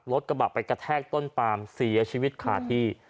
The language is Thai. รถกระบะไปกระแทกต้นปามเสียชีวิตขาดที่